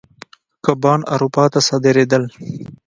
کبان اروپا ته صادرېدل.